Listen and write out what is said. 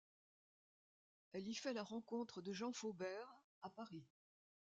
Elle y fait la rencontre de Jean Faubert, à Paris.